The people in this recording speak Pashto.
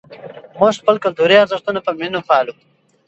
موږ خپل کلتوري ارزښتونه په مینه پالو.